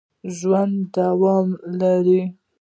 ژوند دوام لري